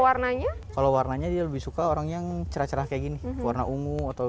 warnanya kalau warnanya dia lebih suka orang yang cerah cerah kayak gini warna ungu atau